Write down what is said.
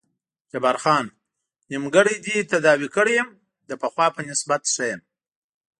جبار خان: نیمګړی دې تداوي کړی یې، د پخوا په نسبت ښه یم.